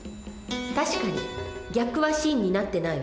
確かに逆は真になってないわね。